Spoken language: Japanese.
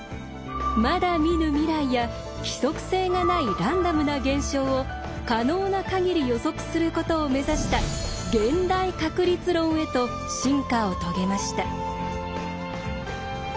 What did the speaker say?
まだ見ぬ未来や規則性がないランダムな現象を可能な限り予測することを目指した「現代確率論」へと進化を遂げました。